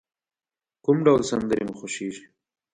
کوم ډول سندری مو خوښیږی؟